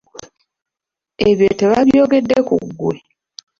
Ebyo tebabyogedde ku ggwe.